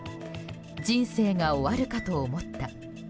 人生が終わるかと思った。